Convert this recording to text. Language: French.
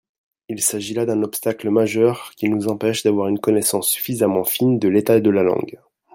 Il s’agit là d’un obstacle majeur qui nous empêche d’avoir une connaissance suffisamment fine de l’état de la langue.